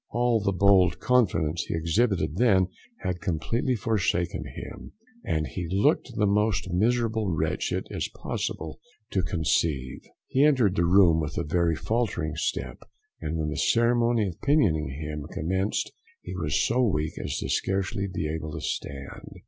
All the bold confidence he exhibited then had completely forsaken him, and he looked the most miserable wretch it is possible to conceive. He entered the room with a very faltering step, and when the ceremony of pinioning him commenced, he was so weak as to be scarcely able to stand.